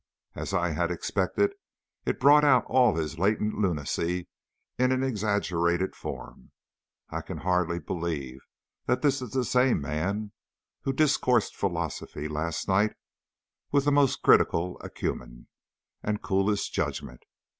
As I had expected, it brought out all his latent lunacy in an exaggerated form. I can hardly believe that this is the same man who discoursed philosophy last night with the most critical acumen and coolest judgment.